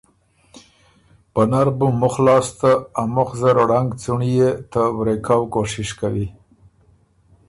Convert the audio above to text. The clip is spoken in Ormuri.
پۀ نر بُو مُخ لاسته ا مُخ زر ړنګ څُنړيې ته ورې کؤ کوشش کوی۔